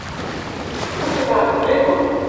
What about the blue one?